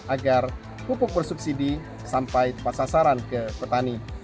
agar pupuk bersubsidi sampai tepat sasaran ke petani